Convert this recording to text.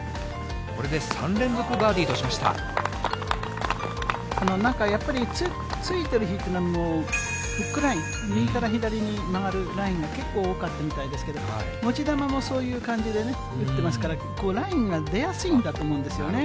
これで３連続バーディーとしましなんかやっぱり、ついてる日というのは、もうフックライン、右から左に曲がるラインが結構多かったみたいですけど、持ち球もそういう感じで打ってますから、ラインが出やすいんだと思うんですよね。